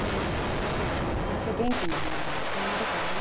さくらがちゃんと元気になるまで一緒にいるからね。